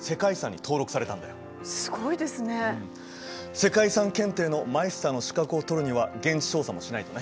世界遺産検定のマイスターの資格を取るには現地調査もしないとね。